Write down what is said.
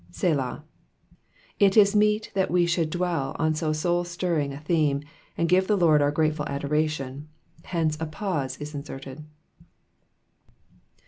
"iSff^." It is meet that we should dwell on so soul stirring a theme, and give the Lord our grateful adoration, — hence a pause is inserted.